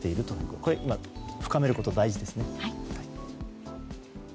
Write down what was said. これを深めることは大事ですね。